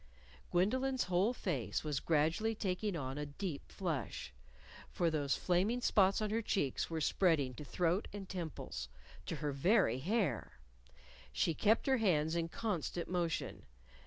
Gwendolyn's whole face was gradually taking on a deep flush, for those flaming spots on her cheeks were spreading to throat and temples to her very hair. She kept her hands in constant motion.